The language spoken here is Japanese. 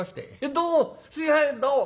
どうもすいませんどうも。